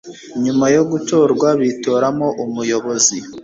nyuma yo gutorwa bitoramo umuyobozi